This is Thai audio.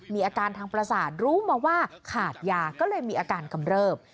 มีอาการทางประสาทรู้มาว่าขาดยาก็เลยมีอาการกำเริบ